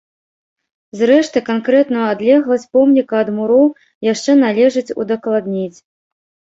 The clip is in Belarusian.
Зрэшты, канкрэтную адлегласць помніка ад муроў яшчэ належыць удакладніць.